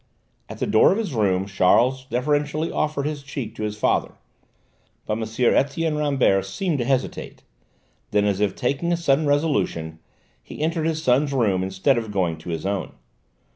At the door of his room Charles deferentially offered his cheek to his father, but M. Etienne Rambert seemed to hesitate; then, as if taking a sudden resolution, he entered his son's room instead of going on to his own.